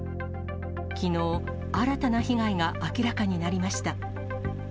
きのう、新たな被害が明らかになりました。